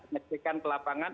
maksudnya ke lapangan